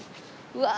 うわ！